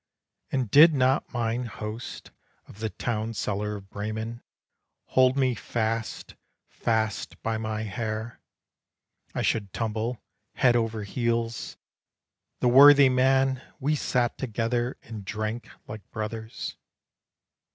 And did not mine host of the town cellar of Bremen Hold me fast, fast by my hair, I should tumble head over heels. The worthy man! we sat together, And drank like brothers.